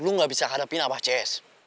lo gak bisa hadapin abah cs